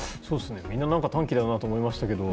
みんな短気だなと思いましたけど。